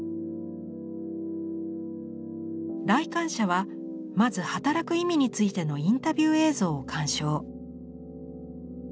来館者はまず働く意味についてのインタビュー映像を鑑賞。